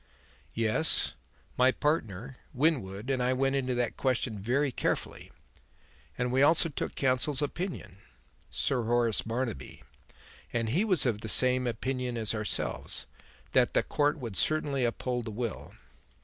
"Yes. My partner, Winwood, and I went into that question very carefully, and we also took counsel's opinion Sir Horace Barnaby and he was of the same opinion as ourselves; that the court would certainly uphold the will."